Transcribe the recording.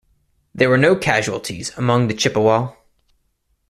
There were no casualties among the Chippewa.